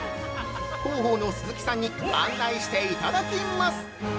広報の鈴木さんに案内していただきます。